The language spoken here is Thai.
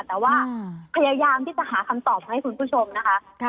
แต่ว่าพยายามที่จะหาคำตอบมาให้คุณผู้ชมนะคะ